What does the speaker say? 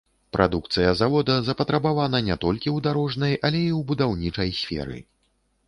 Прадукцыя завода запатрабавана не толькі ў дарожнай, але і ў будаўнічай сферы.